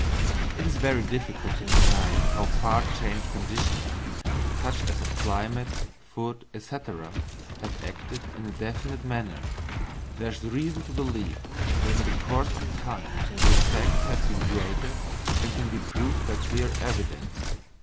It is very difficult to decide how far changed conditions, such as of climate, food, &c., have acted in a definite manner. There is reason to believe that in the course of time the effects have been greater than can be proved by clear evidence.